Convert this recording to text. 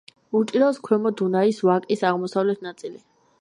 უჭირავს ქვემო დუნაის ვაკის აღმოსავლეთი ნაწილი.